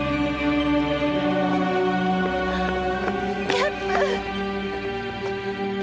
キャップ。